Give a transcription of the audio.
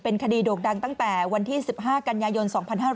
คดีโด่งดังตั้งแต่วันที่๑๕กันยายน๒๕๕๙